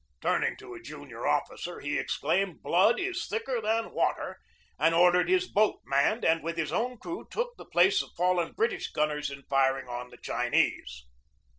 Turning to a junior officer he exclaimed, "Blood is thicker than water," and or dered his boat manned, and with his own crew took the place of fallen British gunners in firing on the Chinese.